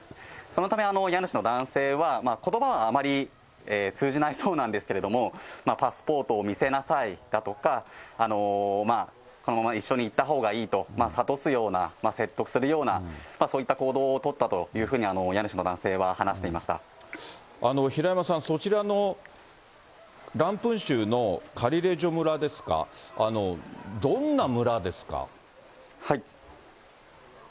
そのため、家主の男性は、ことばはあまり通じないそうなんですけれども、パスポートを見せなさいだとか、このまま一緒に行ったほうがいいといったような、説得するような、そういった行動を取ったというふうに、家主の男性は話していまし平山さん、そちらのランプン州のカリレジョ村ですか、どんな村ですか。